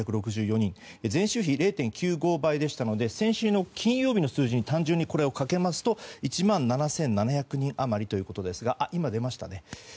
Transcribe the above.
前週比０．９５倍でしたので先週の金曜日の数字に単純にこれをかけますと１万７７００人余りということですが出ましたね。